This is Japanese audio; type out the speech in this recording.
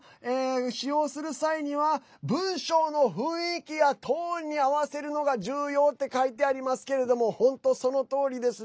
使用する際には文章の雰囲気やトーンに合わせるのが重要って書いてありますけれども本当、そのとおりですね。